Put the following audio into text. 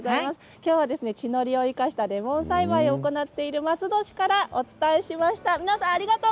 きょうは地の利を生かしたレモン栽培を行っている松戸市からお伝えしました。